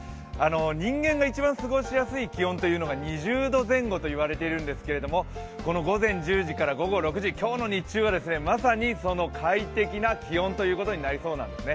人間が一番過ごしやすい気温というのは、２０度前後といわれているんですけどこの午前１０時から午後６時、今日の日中はまさにその快適な気温ということになりそうなんですね。